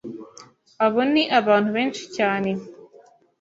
Abo ni abantu benshi cyane,